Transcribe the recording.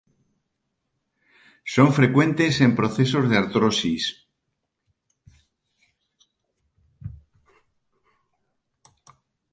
Son frecuentes en procesos de artrosis.